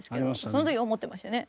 その時思ってましたね。